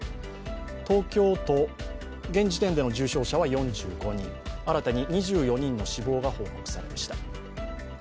東京都、現時点での重症者は４５人、新たに２４人の死亡が報告されました。